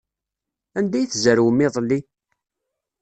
Anda ay tzerwem iḍelli?